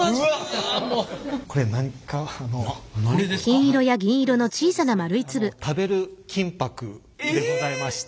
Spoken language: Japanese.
実はですね食べる金箔でございまして。